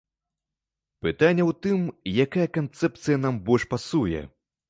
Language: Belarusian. Пытанне ў тым, якая канцэпцыя нам больш пасуе.